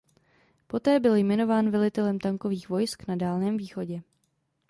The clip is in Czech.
Poté byl jmenován velitelem tankových vojsk na Dálném Východě.